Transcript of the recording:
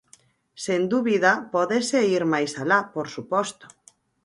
Sen dúbida, pódese ir máis alá, por suposto.